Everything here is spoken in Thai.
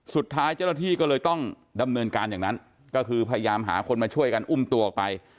สุดท้ายเจ้าหน้าที่ก็เลยต้องดำเนินการอย่างนั้นก็คือพยายามหาคนมาช่วยกันอุ้มตัวออกไป